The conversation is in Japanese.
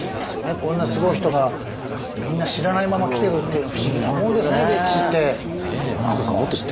こんなすごい人がみんな知らないまま来てるっていうの不思議なもんですね